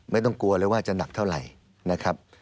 ไม่ต้องกลัวเลยว่าจะหนักเท่าไหร่นะครับ